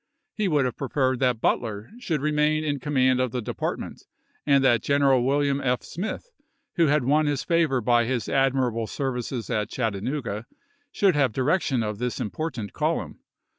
He would have preferred that Butler should remain in com mand of the Department and that General Wm. F. Smith, who had won his favor by his admirable services at Chattanooga, should have direction of this important column.